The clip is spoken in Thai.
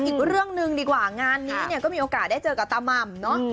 อีกเรื่องหนึ่งดีกว่างานนี้เนี่ยก็มีโอกาสได้เจอกับตาม่ำเนอะ